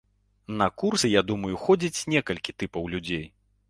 На курсы, я думаю, ходзіць некалькі тыпаў людзей.